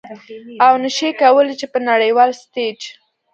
او نشي کولې چې په نړیوال ستیج